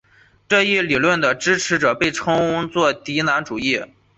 这一理论的支持者被称作迦南主义者。